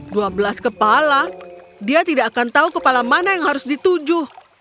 dua belas kepala dia tidak akan tahu kepala mana yang harus dituju